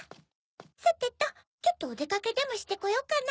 さてとちょっとおでかけでもしてこようかな。